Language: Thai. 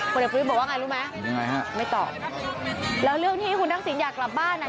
คนเด็กประวิทย์บอกว่าอย่างไรรู้ไหมไม่ตอบแล้วเรื่องที่คุณนักศิลป์อยากกลับบ้าน